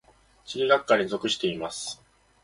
地理学科に属しています。